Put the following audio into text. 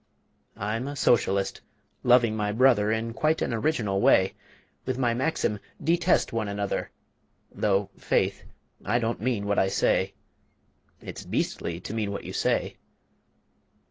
I'm a Socialist, loving my brother In quite an original way, With my maxim, "Detest One Another" Though, faith, I don't mean what I say. (It's beastly to mean what you say!)